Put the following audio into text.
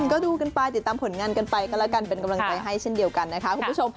ก็ดูกันไปติดตามผลงานกันไปก็แล้วกันเป็นกำลังใจให้เช่นเดียวกันนะคะคุณผู้ชม